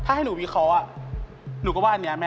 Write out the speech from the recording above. อันนี้ถูก